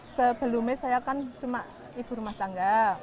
sebelumnya saya kan cuma ibu rumah tangga